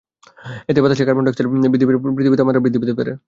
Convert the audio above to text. এতে বাতাসে carbon dioxide বৃদ্ধি পেয়ে পৃথিবীর তাপমাত্রা বৃদ্ধি পেতে পারে।